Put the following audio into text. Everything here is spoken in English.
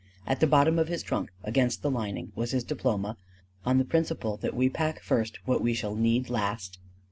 At the bottom of his trunk against the lining was his diploma, on the principle that we pack first what we shall need last.